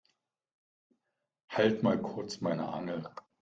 Halt mal kurz meine Angel.